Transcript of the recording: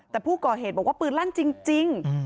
แต่ผู้ก่อเหตุบอกว่าปืนลั่นจริง